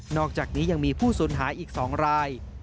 อกจากนี้ยังมีผู้สูญหายอีก๒ราย